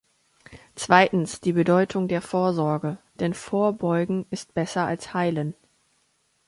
Zweitens die Bedeutung der Vorsorge, denn Vorbeugen ist besser als Heilen.